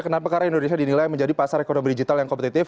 kenapa karena indonesia dinilai menjadi pasar ekonomi digital yang kompetitif